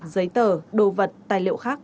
giấy tờ đồ vật tài liệu khác